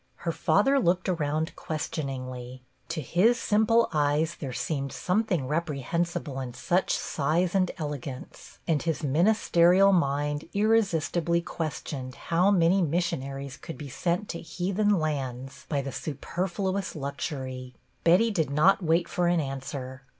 Her father looked around questioningly. 42 BETTY BAIRD To his simple eyes there seemed some thing reprehensible in such size and ele gance; and his ministerial mind irresistibly questioned how many missionaries could be sent to heathen lands by the superfluous luxury. Betty did not wait for an an swer.